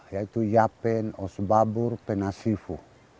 yaitu yapen osbabur penasifu